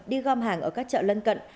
đi gom hàng ở các chợ lân cận